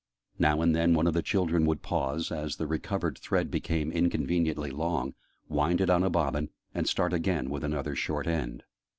Now and then one of the children would pause, as the recovered thread became inconveniently long, wind it on a bobbin, and start again with another short end.